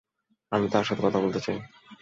আমি তার সাথে কথা বলতে চাই!